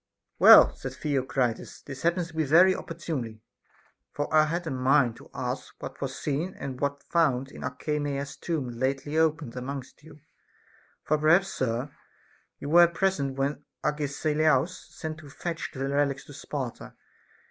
5. Well, said Theocritus, this happens very oppor tunely, for I had a mind to ask what was seen and what found in Alcmena's tomb lately opened amongst you, for perhaps, sir, you were present when Agesilaus sent to fetch the relics to Sparta.